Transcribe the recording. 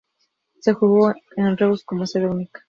Se jugó en Reus como sede única.